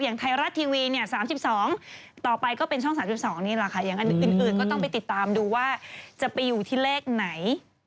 ไทยรัฐทีวีเนี่ย๓๒ต่อไปก็เป็นช่อง๓๒นี่แหละค่ะอย่างอื่นก็ต้องไปติดตามดูว่าจะไปอยู่ที่เลขไหน